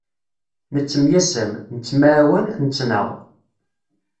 Nettemyasam, nettemɛawan, nettnaɣ.